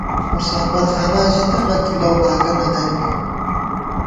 مُساپر خاناں ژی تنہ ، کی لؤ باگہ نہ درِبہ